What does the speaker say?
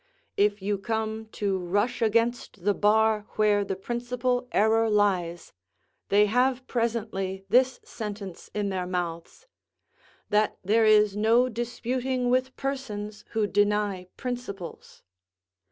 If you come to rush against the bar where the principal error lies, they have presently this sentence in their mouths, "That there is no disputing with persons who deny principles."